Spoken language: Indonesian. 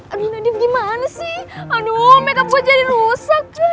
aduh nadiem gimana sih aduh makeup gue jadi rosak